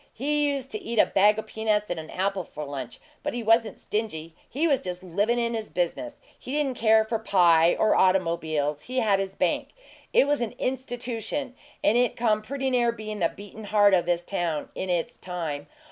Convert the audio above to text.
He used to eat a bag o' peanuts and an apple for lunch; but he wasn't stingy he was just livin' in his business. He didn't care for pie or automobiles he had his bank. It was an institution, and it come pretty near bein' the beatin' heart o' this town in its time.